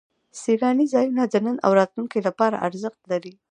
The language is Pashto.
سیلاني ځایونه د نن او راتلونکي لپاره ارزښت لري.